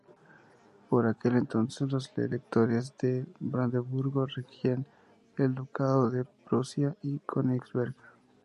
Por aquel entonces, los electores de Brandeburgo regían el Ducado de Prusia y Königsberg.